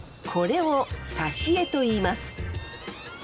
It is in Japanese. これを「刺し餌」といいます。